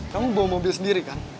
kamu bawa mobil sendiri kan